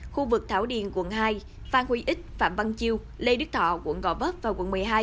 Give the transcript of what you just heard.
khu vực thảo điền quận hai phan huy ích phạm văn chiêu lê đức thọ quận gò vấp và quận một mươi hai